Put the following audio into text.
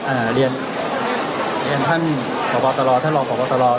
อ่าเรียนเรียนท่านบอกว่าตลอดท่านรองบอกว่าตลอด